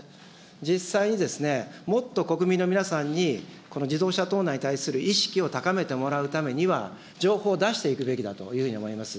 実際にもっと国民の皆さんにこの自動車盗難に対する意識を高めてもらうためには、情報を出していくべきだというふうに思います。